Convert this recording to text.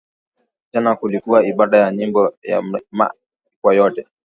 Jana kulikuwa ibada ya nyimbo ya ma kwaya yote